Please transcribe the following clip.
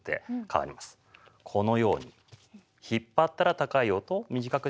このように引っ張ったら高い音短くしたら低い音。